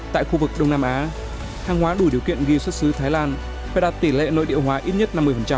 tại khu vực đông nam á hàng hóa đủ điều kiện ghi xuất xứ thái lan phải đạt tỷ lệ nội địa hóa ít nhất năm mươi